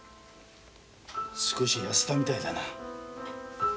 少し痩せたみたいだな。